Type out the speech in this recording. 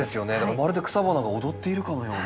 まるで草花が躍っているかのような。